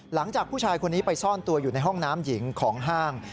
หลังจากผู้ชายคนนี้ไปซ่อนตัวอยู่ในห้องน้ำหญิงของห้าง